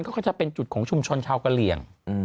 ก็จะเป็นจุดของชุมชนชาวกะเหลี่ยง